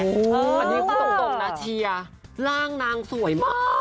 อันนี้พูดตรงนะเชียร์ร่างนางสวยมาก